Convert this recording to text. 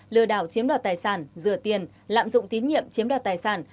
lừa đảo chiếm đoạt tài sản rửa tiền lạm dụng tín nhiệm chiếm đoạt tài sản